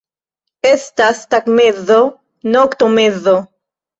Estas tagmezo, noktomezo.